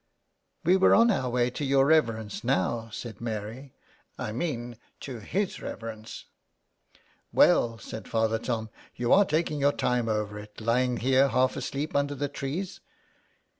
'*" We were on our way to your reverence now," said Mary. " I mean to his reverence." '' Well," said Father Tom, you are taking your time over it, lying here half asleep under the trees."